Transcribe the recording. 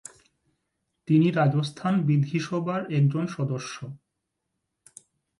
তিনি রাজস্থান বিধানসভার একজন সদস্য।